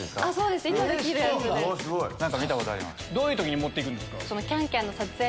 どういう時に持って行くんですか？